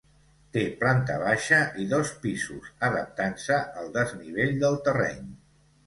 Té planta baixa i dos pisos, adaptant-se al desnivell del terreny.